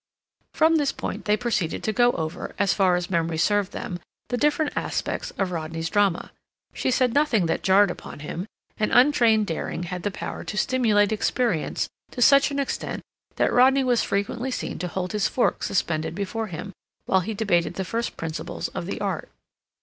From this point they proceeded to go over, as far as memory served them, the different aspects of Rodney's drama. She said nothing that jarred upon him, and untrained daring had the power to stimulate experience to such an extent that Rodney was frequently seen to hold his fork suspended before him, while he debated the first principles of the art.